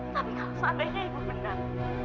tapi kalau sampai ini ibu benar